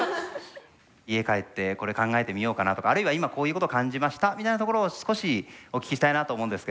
家帰ってこれ考えてみようかなとかあるいは今こういうことを感じましたみたいなところを少しお聞きしたいなと思うんですけれども。